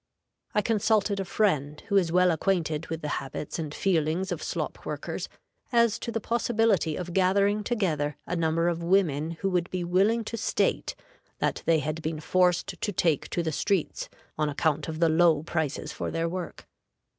I consulted a friend, who is well acquainted with the habits and feelings of slop workers, as to the possibility of gathering together a number of women who would be willing to state that they had been forced to take to the streets on account of the low prices for their work.